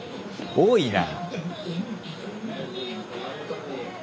多いな。